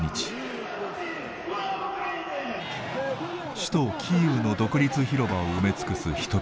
首都キーウの独立広場を埋め尽くす人々。